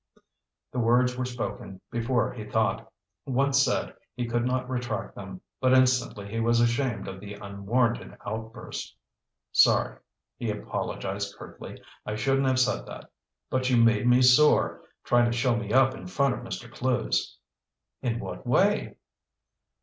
The words were spoken before he thought. Once said, he could not retract them. But instantly he was ashamed of the unwarranted outburst. "Sorry," he apologized curtly. "I shouldn't have said that. But you made me sore, trying to show me up in front of Mr. Clewes." "In what way?"